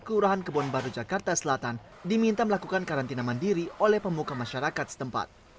kelurahan kebon baru jakarta selatan diminta melakukan karantina mandiri oleh pemuka masyarakat setempat